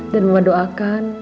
dan mama doakan